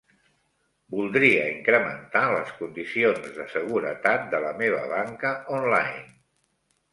Voldria incrementar les condicions de seguretat de la meva banca online.